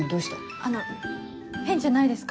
あの変じゃないですか？